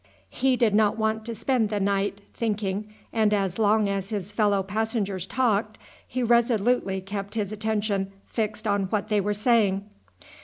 He did not want to spend the night thinking, and as long as his fellow passengers talked he resolutely kept his attention fixed on what they were saying.